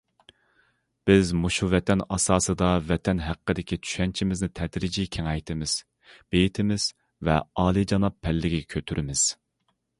بىز مۇشۇ ۋەتەن ئاساسىدا ۋەتەن ھەققىدىكى چۈشەنچىمىزنى تەدرىجىي كېڭەيتىمىز، بېيىتىمىز ۋە ئالىيجاناب پەللىگە كۆتۈرىمىز.